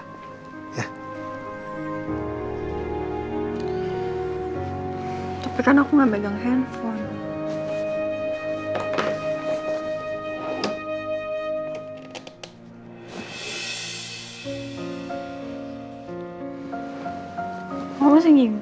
tapi kan aku nggak megang handphone